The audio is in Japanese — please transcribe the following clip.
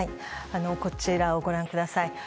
こちらをご覧ください。